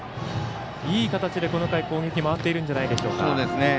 いい形でこの回、攻撃回ってるんじゃないでしょうか。